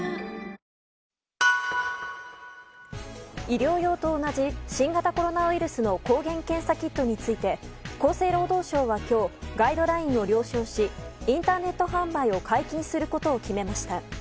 医療用と同じ新型コロナウイルスの抗原検査キットについて厚生労働省は今日ガイドラインを了承しインターネット販売を解禁することを決めました。